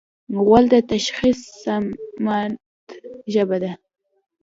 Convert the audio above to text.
غول د تشخیص صامت ژبه ده.